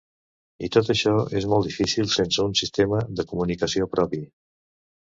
I tot això és molt difícil sense un sistema de comunicació propi.